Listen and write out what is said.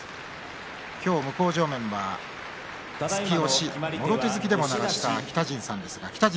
今日、向正面は突き押し、もろ手突きでもならした北陣さんです。